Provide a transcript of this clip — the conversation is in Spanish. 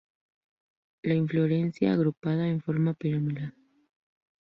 La inflorescencia agrupada en forma piramidal.